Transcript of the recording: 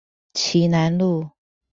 旗楠路